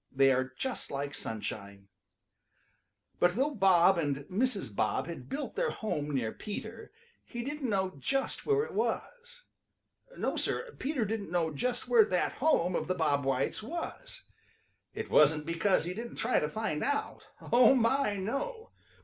They are just like sunshine. But though Bob and Mrs. Bob had built their home near Peter, he didn't know just where it was. No, Sir, Peter didn't know just where that home of the Bob Whites was. It wasn't because he didn't try to find out. Oh, my, no!